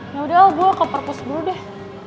yaudah el gue ke perkus dulu deh